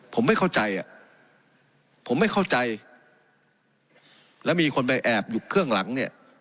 ผมไม่เข้าใจอ่ะผมไม่เข้าใจแล้วมีคนไปแอบอยู่เครื่องหลังเนี่ย